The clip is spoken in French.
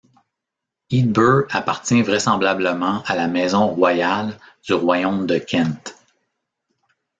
Eadburh appartient vraisemblablement à la maison royale du royaume de Kent.